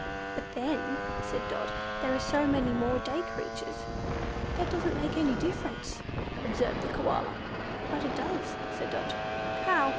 "But then," said Dot. "there are so many more day creatures." "That doesn't make any difference," observed the Koala. "But it does," said Dot. "How?"